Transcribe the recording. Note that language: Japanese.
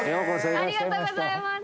ありがとうございます。